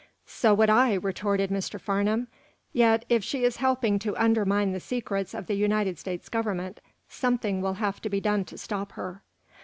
"So would I," retorted Mr Farnum. "Yet, if she is helping to undermine the secrets of the United States Government, something will have to be done to stop her."